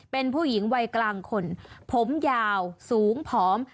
เป็นผู้หญิงวัยกลางคนผมยาวสูงผอม